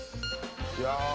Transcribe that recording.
いや。